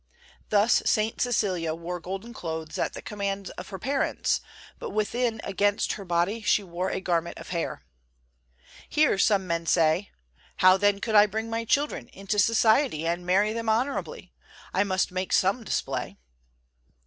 Thus St. Cecilia wore golden clothes at the command of her parents, but within against her body she wore a garment of hair. Here some men say: "How then could I bring my children into society, and marry them honorably? I must make some display."